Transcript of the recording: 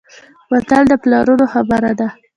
متل د پلرونو خبره ده.